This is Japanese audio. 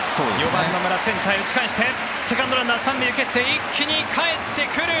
４番、野村センターへ打ち返してセカンドランナー３塁を蹴って一気にかえってくる。